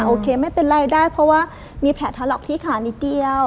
โอเคไม่เป็นไรได้เพราะว่ามีแผลถลอกที่ขานิดเดียว